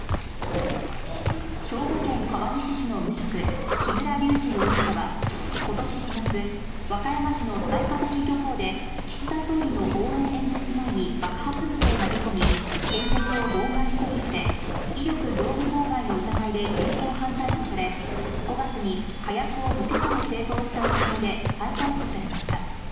兵庫県川西市の無職、木村隆二容疑者は、ことし４月、和歌山市の雑賀崎漁港で、岸田総理の応援演説前に爆発物を投げ込み、演説を妨害したとして、威力業務妨害の疑いで現行犯逮捕され、５月に火薬を無許可で製造した疑いで再逮捕されました。